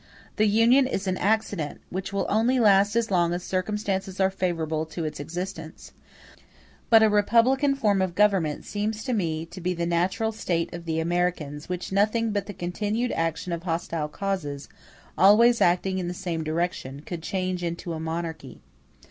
The Union is an accident, which will only last as long as circumstances are favorable to its existence; but a republican form of government seems to me to be the natural state of the Americans; which nothing but the continued action of hostile causes, always acting in the same direction, could change into a monarchy.